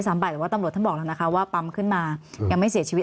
แต่ว่าตำรวจท่านบอกแล้วนะคะว่าปั๊มขึ้นมายังไม่เสียชีวิต